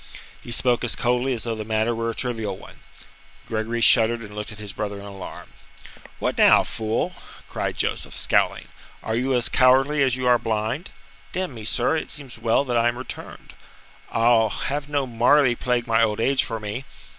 He spoke as coldly as though the matter were a trivial one. Gregory shuddered and looked at his brother in alarm. "What now, fool?" cried Joseph, scowling. "Are you as cowardly as you are blind? Damn me, sir, it seems well that I am returned. I'll have no Marleigh plague my old age for me."